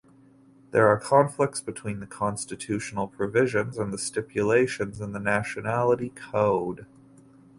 There are conflicts between the constitutional provisions and the stipulations in the Nationality Code.